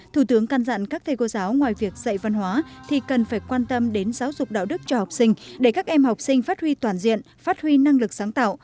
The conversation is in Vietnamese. thủ tướng can dặn các thầy cô giáo ngoài việc dạy văn hóa thì cần phải quan tâm đến giáo dục đạo đức cho học sinh để các em học sinh phát huy toàn diện phát huy năng lực sáng tạo